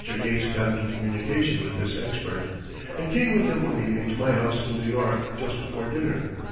Gates got into communication with this expert, and came with him one evening to my house in New York just before dinner.